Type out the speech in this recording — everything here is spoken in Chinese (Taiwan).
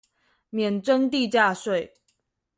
免徵地價稅